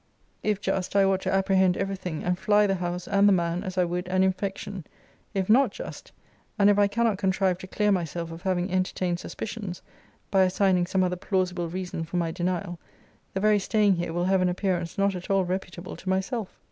If just, I ought to apprehend every thing, and fly the house and the man as I would an infection. If not just, and if I cannot contrive to clear myself of having entertained suspicions, by assigning some other plausible reason for my denial, the very staying here will have an appearance not at all reputable to myself.